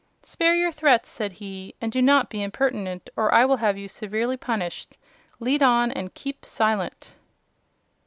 "Spare your threats," said he, "and do not be impertinent, or I will have you severely punished. Lead on, and keep silent!"